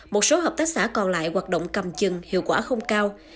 một số hợp tác xã còn lại hoạt động cầm chừng hiệu quả không cao